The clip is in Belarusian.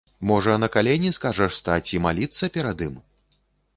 Можа, на калені скажаш стаць і маліцца перад ім?